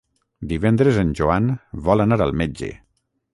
Divendres en Joan vol anar al metge.